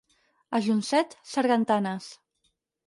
A Joncet, sargantanes.